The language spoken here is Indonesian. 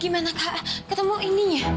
gimana kak ketemu indinya